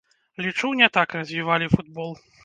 Лічу, не так развівалі футбол.